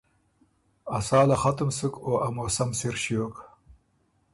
ا ساله ختُم سُک او ا موسم سِر ݭیوک۔